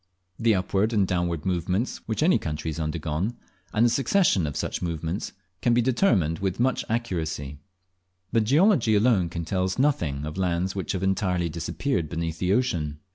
The upward and downward movements which any country has undergone, and the succession of such movements, can be determined with much accuracy; but geology alone can tell us nothing of lands which have entirely disappeared beneath the ocean.